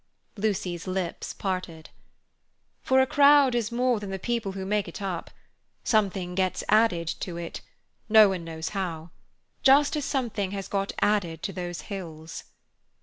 Lucy's lips parted. "For a crowd is more than the people who make it up. Something gets added to it—no one knows how—just as something has got added to those hills."